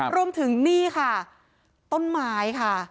รวมถึงนี่ค่ะต้นไม้ค่ะ